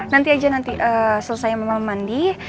nanti aja nanti ee selesai sama mama mandi